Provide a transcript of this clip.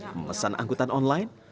memesan anggutan online